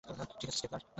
ঠিক আছে, স্টিফলার।